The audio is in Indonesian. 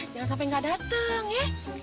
jangan sampe gak dateng ya